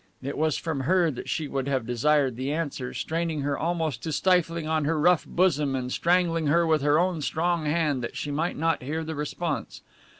it was from her that she would have desired the answer, straining her almost to stifling on her rough bosom and strangling her with her own strong hand that she might not hear the response.